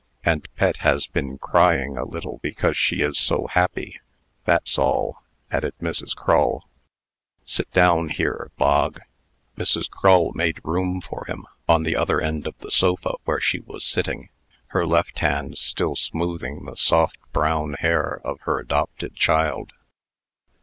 "And Pet has been crying a little because she is so happy that's all," added Mrs. Crull. "Sit down here, Bog." Mrs. Crull made room for him on the other end of the sofa where she was sitting her left hand still smoothing the soft brown hair of her adopted child.